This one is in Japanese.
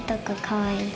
かわいい。